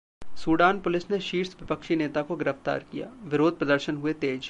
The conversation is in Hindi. सूडान पुलिस ने शीर्ष विपक्षी नेता को गिरफ्तार किया, विरोध प्रदर्शन हुए तेज